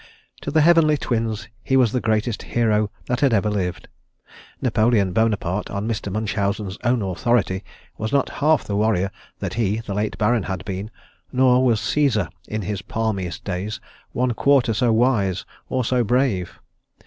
To the Heavenly Twins he was the greatest hero that had ever lived. Napoleon Bonaparte, on Mr. Munchausen's own authority, was not half the warrior that he, the late Baron had been, nor was Cæsar in his palmiest days, one quarter so wise or so brave.